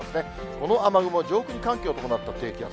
この雨雲、上空に寒気を伴った低気圧。